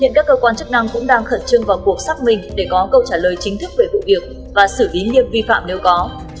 hiện các cơ quan chức năng cũng đang khẩn trương vào cuộc xác minh để có câu trả lời chính thức về vụ việc và xử lý nghiêm vi phạm nếu có